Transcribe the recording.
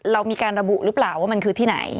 เรามีการระบุหรือเปล่าว่ามันคือที่ไหน